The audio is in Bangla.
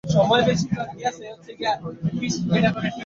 মিললুম তেমনি করেই–আমরা দুই ভাই, আমরা দুই বন্ধু।